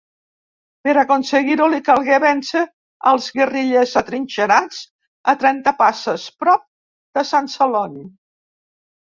Per aconseguir-ho li calgué vèncer als guerrillers atrinxerats a Trentapasses, prop de Sant Celoni.